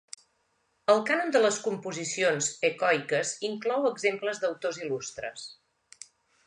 El cànon de les composicions ecoiques inclou exemples d'autors il·lustres.